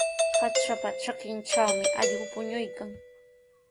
Hatrapa trakintrawmi allqu puñuykan.